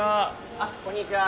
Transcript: あっこんにちは。